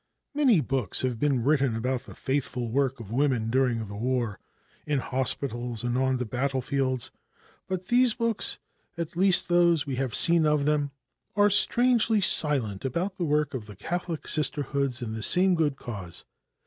Many books have been written about the faithful work of women during the war, in hospitals and on the battlefields, but these books, at least those we have seen of them, are strangely silent about the work of the Catholic Sisterhoods in the same good cause.